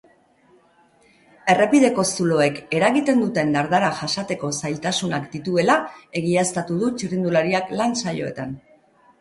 Errepideko zuloek eragiten duten dardara jasateko zailtasunak dituela egiaztatu du txirrindulariak lan saioetan.